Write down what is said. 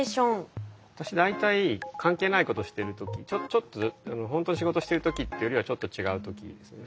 私大体関係ないことしてる時ちょっとほんとに仕事してる時ってよりはちょっと違う時ですね。